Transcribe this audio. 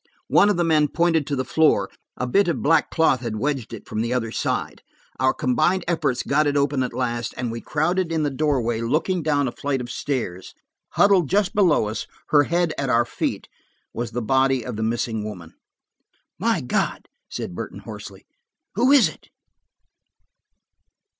One of the men pointed to the floor; a bit of black cloth had wedged it, from the other side. Our combined efforts got it open at last, and we crowded in the doorway, looking down a flight of stairs. Huddled just below us, her head at our feet, was the body of the missing woman. "My God," Burton said hoarsely, "who is it?"